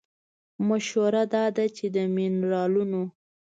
مشوره دا ده چې د مېنرالونو